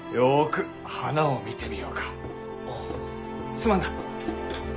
すまんな。